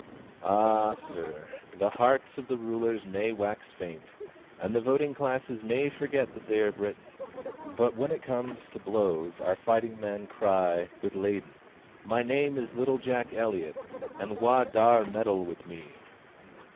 Ah, Sir, the hearts of the rulers may wax faint, and the voting classes may forget that they are Britons; but when it comes to blows our fighting men might cry, with Leyden, My name is little Jock Elliot, And wha daur meddle wi' me!